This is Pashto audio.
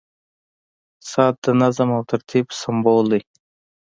• ساعت د نظم او ترتیب سمبول دی.